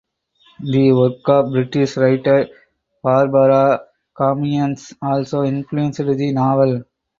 The work of British writer Barbara Comyns also influenced the novel.